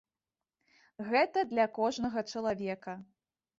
Гэта для кожнага чалавека.